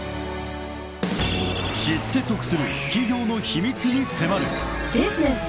［知って得する企業の秘密に迫る］